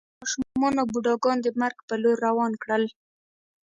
دوی ماشومان او بوډاګان د مرګ په لور روان کړل